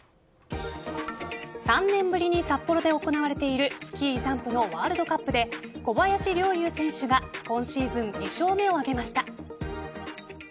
３年ぶりに札幌で行われているスキージャンプのワールドカップで小林陵侑選手が今シーズン２勝目を挙げました。